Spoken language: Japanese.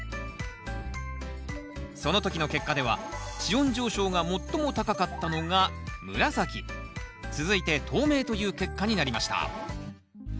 その時の結果では地温上昇が最も高かったのが紫続いて透明という結果になりました